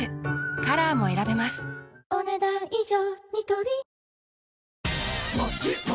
カラーも選べますお、ねだん以上。